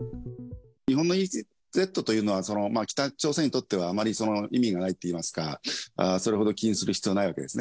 日本のＥＥＺというのは、北朝鮮にとってはあまり意味がないといいますか、それほど気にする必要はないわけですね。